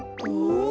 ん？